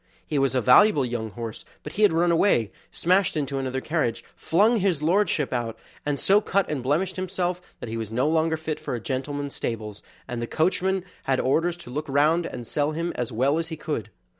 He was a valuable young horse, but he had run away, smashed into another carriage, flung his lordship out, and so cut and blemished himself that he was no longer fit for a gentleman's stables, and the coachman had orders to look round, and sell him as well as he could.